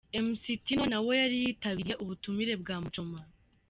Mc Tino nawe yari yitabiriye ubutumire bwa Muchoma.